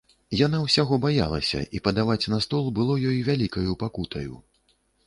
Яна ўсяго баялася, і падаваць на стол было ёй вялікаю пакутаю.